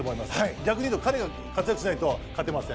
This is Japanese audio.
逆に言うと彼が活躍しないと勝てません。